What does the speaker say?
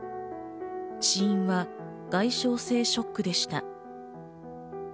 死因は外傷性ショックでした。